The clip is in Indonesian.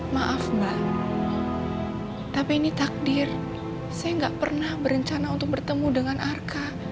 maaf mbak tapi ini takdir saya nggak pernah berencana untuk bertemu dengan arka